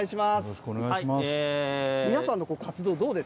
よろしくお願いします。